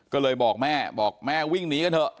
ก็เลยบอกแม่บอกแม่วิ่งหนีกันเถอะ